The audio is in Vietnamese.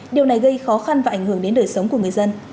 điều này gây khó khăn và ảnh hưởng đến đời sống của người dân